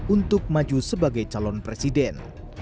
untuk maju sebagai calon presiden